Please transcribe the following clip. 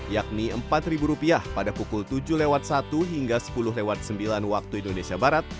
yakni rp empat pada pukul tujuh satu hingga sepuluh sembilan waktu indonesia barat